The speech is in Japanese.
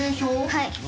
はい。